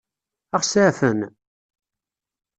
Ad ɣ-seɛfen?